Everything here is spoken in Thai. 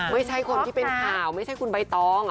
ไม่ใช่คนที่เป็นข่าวไม่ใช่คุณใบตอง